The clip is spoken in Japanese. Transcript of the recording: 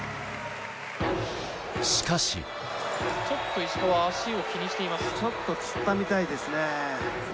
ちょっと石川、足を気にしてちょっとつったみたいですね。